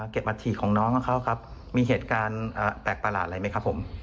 อัฐิของน้องของเขาครับมีเหตุการณ์แปลกประหลาดอะไรไหมครับผม